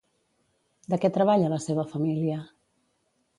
De què treballa la seva família?